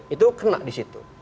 itu kena di situ